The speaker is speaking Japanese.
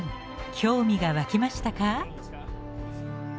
興味が湧きましたか？